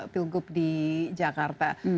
pilgub di jakarta